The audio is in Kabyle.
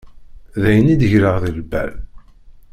D ayen i d-greɣ deg lbal.